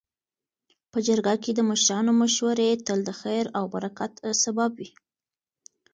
. په جرګه کي د مشرانو مشورې تل د خیر او برکت سبب وي.